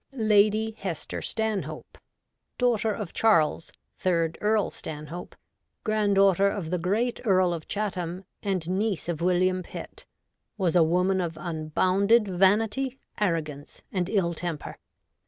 Lady Hester Stanhope, daughter of Charles, third Earl. Stanhope, granddaughter of the great Earl of Chatham, and niece of William Pitt, was a woman of unbounded vanity, arrogance, and ill temper.